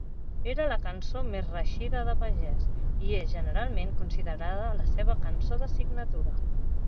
Era la cançó més reeixida de pagès i és generalment considerada la seva cançó de signatura.